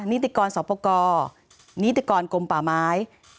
นิติกรสอบประกอบนิติกรกลมป่าไม้